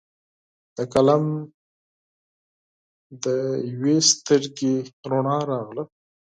د قلم د یوي سترګې رڼا راغله